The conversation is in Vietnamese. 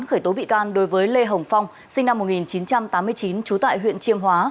khởi tố bị can đối với lê hồng phong sinh năm một nghìn chín trăm tám mươi chín trú tại huyện chiêm hóa